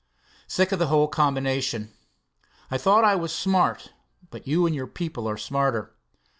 "Sick of the whole combination. I thought I was smart, but you and your people are smarter.